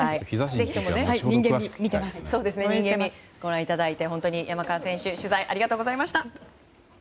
人間味をご覧いただいて本当に山川選手取材ありがとうございました。